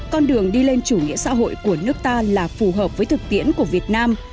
con đường đi lên chủ nghĩa xã hội của nước ta là phù hợp với thực tiễn của việt nam